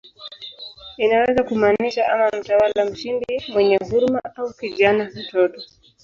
Inaweza kumaanisha ama "mtawala mshindi mwenye huruma" au "kijana, mtoto".